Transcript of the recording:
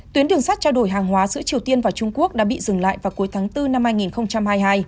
tuyến đường sắt trao đổi hàng hóa giữa triều tiên và trung quốc đã bị dừng lại vào cuối tháng bốn năm hai nghìn hai mươi hai